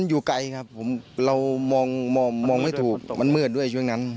อยู่ไกลครับผมเรามองไม่ถูกมันมืดด้วยช่วงนั้น